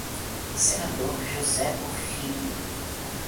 Senador José Porfírio